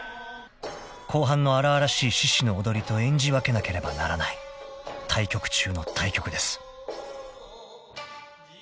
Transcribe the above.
［後半の荒々しい獅子の踊りと演じ分けなければならない大曲中の大曲です］